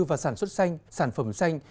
và sản xuất xanh sản phẩm xanh